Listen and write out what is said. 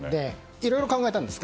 いろいろ考えたんです。